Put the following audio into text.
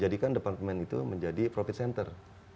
jadikan departemen itu menjadi profit center